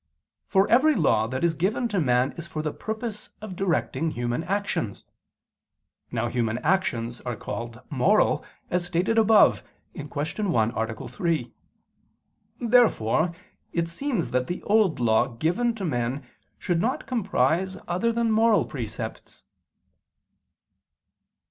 For every law that is given to man is for the purpose of directing human actions. Now human actions are called moral, as stated above (Q. 1, A. 3). Therefore it seems that the Old Law given to men should not comprise other than moral precepts.